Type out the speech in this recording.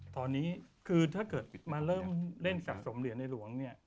ตอนนี้คือถ้าเกิดมาเริ่มเล่นสะสมเหรียญในหลวงเนี่ย